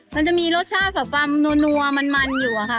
มันจะมีรสชาติแบบความนัวมันอยู่อะค่ะ